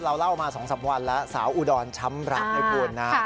เล่ามา๒๓วันแล้วสาวอุดรช้ำรักให้คุณนะ